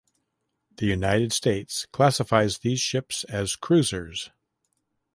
The United States classifies these ships as cruisers.